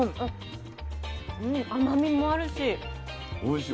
甘みもあるし。